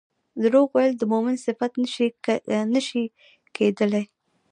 دروغ ويل د مؤمن صفت نه شي کيدلی